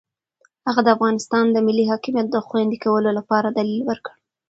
هغه د افغانستان د ملي حاکمیت د خوندي کولو لپاره دلیل ورکړ.